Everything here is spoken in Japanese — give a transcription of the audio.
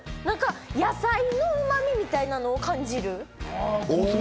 野菜のうまみみたいなのを感じる。